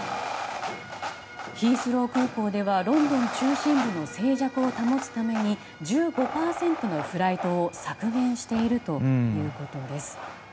ヒースロー空港ではロンドン中心部の静寂を保つために１５％のフライトを削減しているということです。